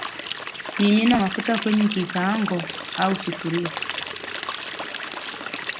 Mimina mafuta kwenye kikaango au sufuria